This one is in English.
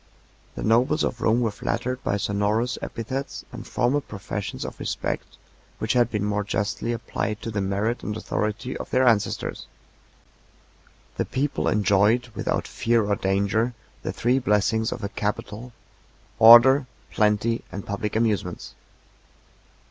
The nobles of Rome were flattered by sonorous epithets and formal professions of respect, which had been more justly applied to the merit and authority of their ancestors. The people enjoyed, without fear or danger, the three blessings of a capital, order, plenty, and public amusements.